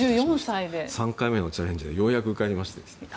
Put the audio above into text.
３回目のチャレンジでようやく受かりましてですね。